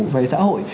về xã hội